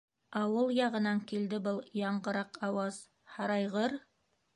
Ауыл яғынан килде был яңғыраҡ ауаз! һарайғыр?!